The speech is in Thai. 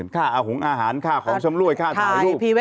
ค่าเอาหงอาหารค่าของชำรวยค่าถ่ายรูป